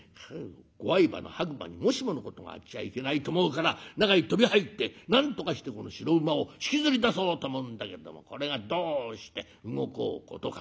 ご愛馬の白馬にもしものことがあっちゃいけないと思うから中へ飛び入ってなんとかしてこの白馬を引きずり出そうと思うんだけどもこれがどうして動こうことか。